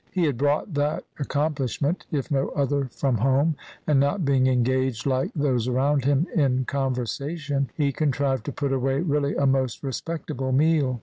He had brought that accomplishment, if no other, from home, and not being engaged like those around him in conversation, he contrived to put away really a most respectable meal.